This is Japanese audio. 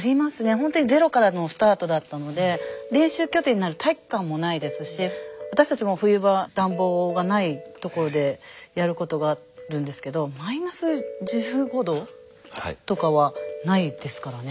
ほんとにゼロからのスタートだったので練習拠点になる体育館もないですし私たちも冬場暖房がないところでやることがあるんですけどマイナス１５℃とかはないですからね。